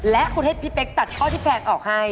และคุณให้พี่เป๊กตัดข้อที่แพงออกให้